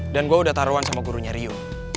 dan gue udah taruhan sama gurunya rio